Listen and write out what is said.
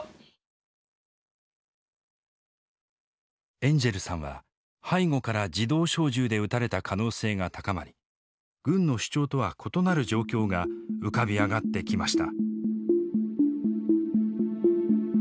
エンジェルさんは背後から自動小銃で撃たれた可能性が高まり軍の主張とは異なる状況が浮かび上がってきました。